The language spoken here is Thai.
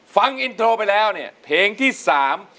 ฟังอินโทรไปแล้วเนี่ยเพลงที่สาม